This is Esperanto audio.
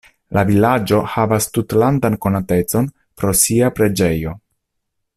La vilaĝo havas tutlandan konatecon pro sia preĝejo.